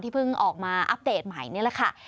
เพิ่งออกมาอัปเดตใหม่นี่แหละค่ะ